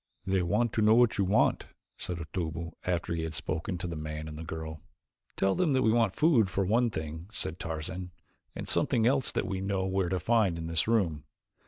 "They want to know what you want," said Otobu, after he had spoken to the man and the girl. "Tell them that we want food for one thing," said Tarzan, "and something else that we know where to find in this room.